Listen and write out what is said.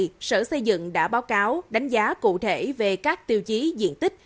cơ sở xây dựng đã báo cáo đánh giá cụ thể về các tiêu chí diện tích